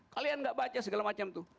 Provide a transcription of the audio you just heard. kalian enggak baca segala macam itu